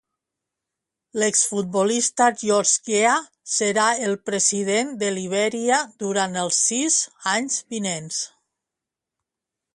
L'exfutbolista George Weah serà el president de Libèria durant els sis anys vinents.